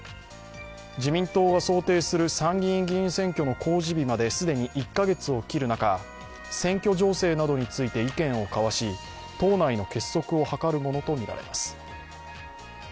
自民党が想定する参議院議員選挙の公示日まで既に１カ月を切る中選挙情勢などについて意見を交わし党内の結束を図るものとみられます。